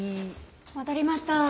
戻りました。